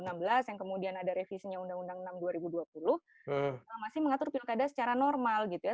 undang undang sepuluh dua ribu enam belas yang kemudian ada revisenya undang undang enam dua ribu dua puluh masih mengatur pilkada secara normal gitu ya